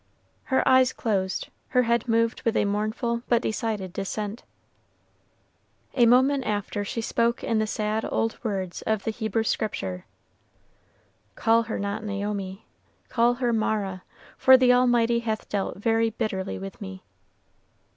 Her eyes closed, her head moved with a mournful but decided dissent. A moment after she spoke in the sad old words of the Hebrew Scripture, "Call her not Naomi; call her Mara, for the Almighty hath dealt very bitterly with me."